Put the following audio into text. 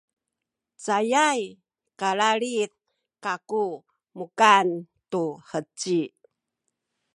cayay kalalid kaku mukan tu heci